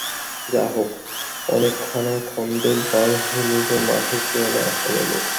যা হোক, অনেক খানা-খন্দল পার হয়ে নূতন মঠের সীমানায় আসা গেল।